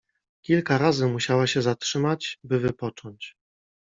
Kilka razy musiała się zatrzymać, by wypocząć.